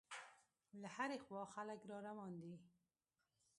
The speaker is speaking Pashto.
له هرې خوا خلک را روان دي.